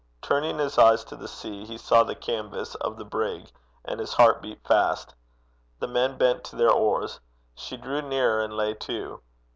Turning his eyes to the sea, he saw the canvas of the brig, and his heart beat fast. The men bent to their oars. She drew nearer, and lay to.